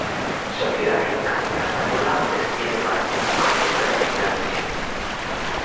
Sociedad Gimnástica Española desciende para nunca más volver a Primera División.